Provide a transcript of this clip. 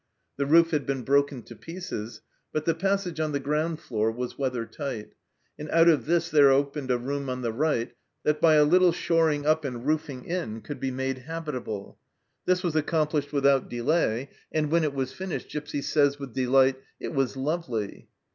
The roof had been broken to pieces, but the passage on the ground floor was weather tight, and out of this there opened a room on the right that, by a little shoring up and roofing in, could be made habitable. This was ac complished without delay, and, when it was finished, Gipsy says with delight, " It was lovely."